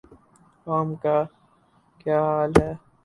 قوم کا کیا حال ہے۔